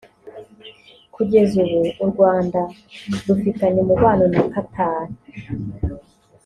Kugeza ubu u Rwanda rufitanye umubano na Qatar